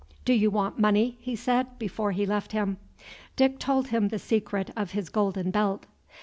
"Do you want money?" he said, before he left him. Dick told him the secret of his golden belt.